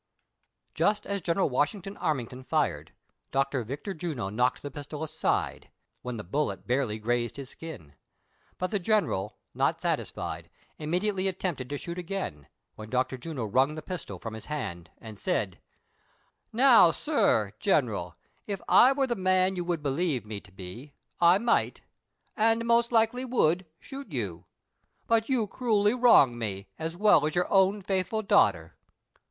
[UST as General Washington Armington fired, Dr. Victor Juno knocked the pistol aside, when the bullet barely grazed his skin ; but the gene ral, not satisfied, immediately attempted to shoot again, when Dr. Juno wrung the pistol from his hand, and said :" Xow sir, general, if I were the man yon would believe me to be, I miglit, and most likely would shoot yon ; but you cruelly wrong me, as well as your own faithful dausrh ter